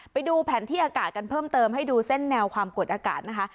ไปดูแผนที่อากาศกันเพิ่มเติมให้ดูเส้นแนวความกดอากาศนะคะ